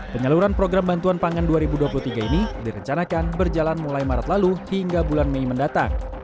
penyaluran program bantuan pangan dua ribu dua puluh tiga ini direncanakan berjalan mulai maret lalu hingga bulan mei mendatang